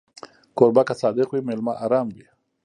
کوربه که صادق وي، مېلمه ارام وي.